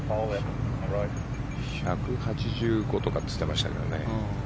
１８５とかって言ってましたけどね。